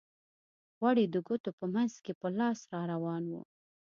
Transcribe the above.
غوړ یې د ګوتو په منځ کې په لاس را روان وو.